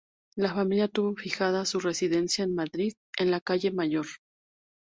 La familia tuvo fijada su residencia en Madrid, en la calle Mayor.